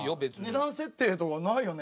値段設定とかないよね？